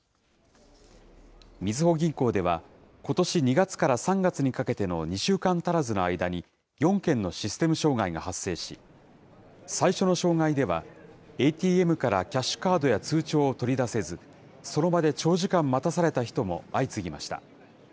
みずほ銀行では、ことし２月から３月にかけての２週間足らずの間に、４件のシステム障害が発生し、最初の障害では、ＡＴＭからキャッシュカードや通帳を取り出せず、その場で長時間待たされた人も相次ぎました。